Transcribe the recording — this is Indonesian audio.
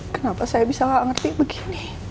kenapa saya bisa nggak ngerti begini